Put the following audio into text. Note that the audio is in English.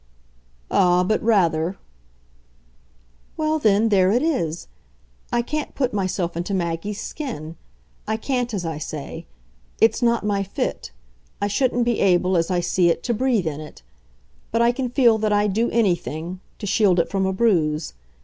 "Ah, but rather!" "Well then, there it is. I can't put myself into Maggie's skin I can't, as I say. It's not my fit I shouldn't be able, as I see it, to breathe in it. But I can feel that I'd do anything to shield it from a bruise.